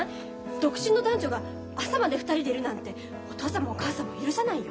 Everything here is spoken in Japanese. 独身の男女が朝まで２人でいるなんてお父さんもお母さんも許さないよ。